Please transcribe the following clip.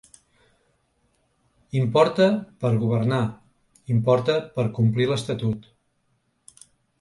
Importa per a governar, importa per a complir l’estatut.